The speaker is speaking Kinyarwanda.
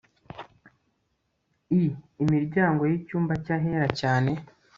i imiryango y icyumba cy Ahera Cyane